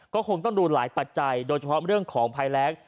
ก็คงต้องดูหลายปัจจัยโดยเฉพาะเรื่องของภัยแรง